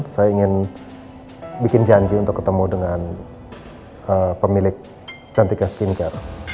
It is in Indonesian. saya ingin bikin janji untuk ketemu dengan pemilik cantika skincare